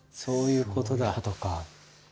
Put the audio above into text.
そういうことか。